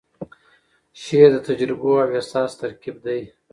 شعر د تجربو او احساس ترکیب دی.